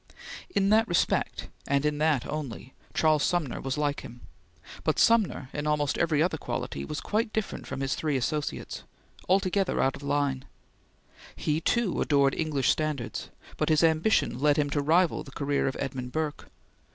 In that respect, and in that only, Charles Sumner was like him, but Sumner, in almost every other quality, was quite different from his three associates altogether out of line. He, too, adored English standards, but his ambition led him to rival the career of Edmund Burke.